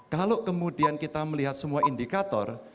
kalau kemudian kita melihat semua indikator